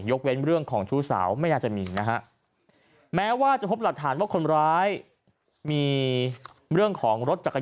เว้นเรื่องของชู้สาวไม่น่าจะมีนะฮะแม้ว่าจะพบหลักฐานว่าคนร้ายมีเรื่องของรถจักรยาน